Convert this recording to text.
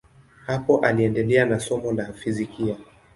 Hapo aliendelea na somo la fizikia.